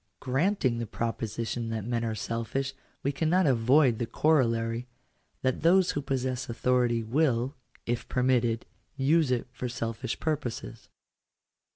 Granting the proposition that men are selfish, we cannot avoid the corollary, that those who possess authority will, if permitted, use it for selfish purposes.